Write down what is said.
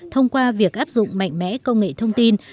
thông qua việc áp dụng mạnh mẽ công nghệ thông tin